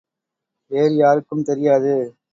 வேறு யாருக்கும் தெரியாது.